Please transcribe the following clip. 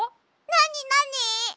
なになに？